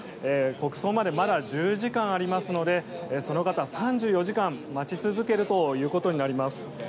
国葬までまだ１０時間ありますのでその方、３４時間待ち続けるということになります。